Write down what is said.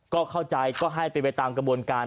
ก็เข้าใจก็ให้เป็นไปตามกระบวนการ